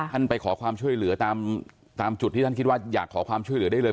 ไปขอความช่วยเหลือตามจุดที่ท่านคิดว่าอยากขอความช่วยเหลือได้เลย